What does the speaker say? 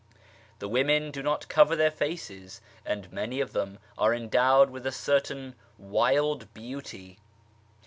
The women do not cover their faces, and many of them are endowed with a certain wild beauty.